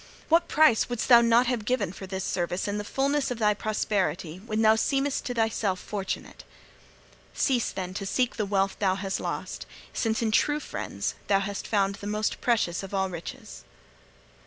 What price wouldst thou not have given for this service in the fulness of thy prosperity when thou seemedst to thyself fortunate? Cease, then, to seek the wealth thou hast lost, since in true friends thou hast found the most precious of all riches.'